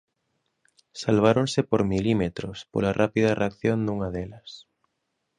Salváronse por milímetros, pola rápida reacción dunha delas.